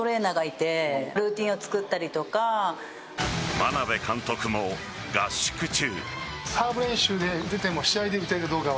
眞鍋監督も合宿中。